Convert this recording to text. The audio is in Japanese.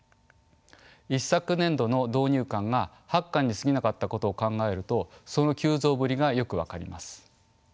一昨年度の導入館が８館にすぎなかったことを考えるとその急増ぶりがよく分かります。